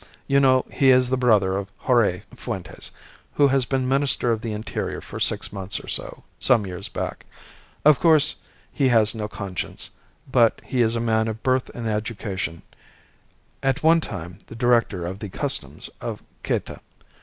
You know, he is the brother of Jorge Fuentes, who has been Minister of the Interior for six months or so, some few years back. Of course, he has no conscience; but he is a man of birth and education at one time the director of the Customs of Cayta.